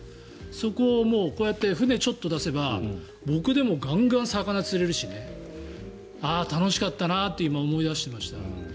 そこをこうやって船をちょっと出せば僕でもガンガン魚が釣れるしねああ、楽しかったなって今、思い出していました。